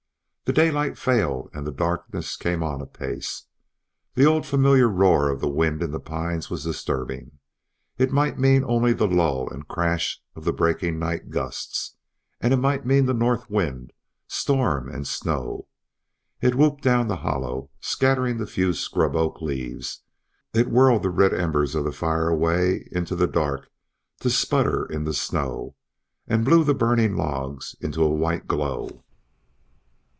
The daylight failed and darkness came on apace. The old familiar roar of the wind in the pines was disturbing; it might mean only the lull and crash of the breaking night gusts, and it might mean the north wind, storm, and snow. It whooped down the hollow, scattering the few scrub oak leaves; it whirled the red embers of the fire away into the dark to sputter in the snow, and blew the burning logs into a white glow.